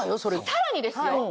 さらにですよ